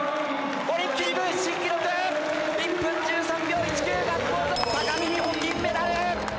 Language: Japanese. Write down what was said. オリンピック新記録、１分１３秒１９、高木美帆、銀メダル。